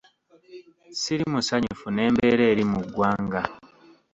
Siri musanyufu n'embeera eri mu ggwanga.